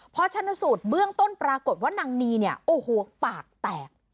พอชนสูตรเบื้องต้นปรากฏว่านางนีเนี่ยโอ้โหปากแตก